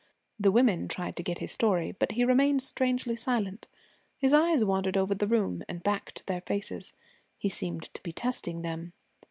The women tried to get his story, but he remained strangely silent. His eyes wandered over the room and back to their faces. He seemed to be testing them.